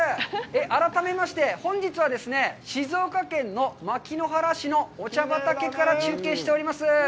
改めまして、本日は、静岡県の牧之原市のお茶畑から中継しております。